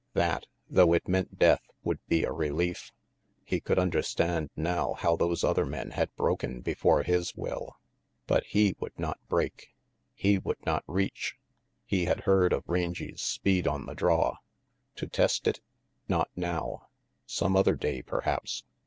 That, though it meant death, would be a relief. He could understand now how those other men had broken before his will. But he would not break He would not reach. He had heard of Rangy's speed on the draw. To test it? Not now. Some RANGY PETE 261 other day, perhaps.